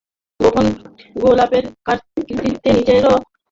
গোপালের কীর্তিতে নিজেকেও সে কেমন অপরাধী মনে করে।